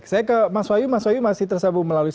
saya ke mas wayu mas wayu masih tersabung melalui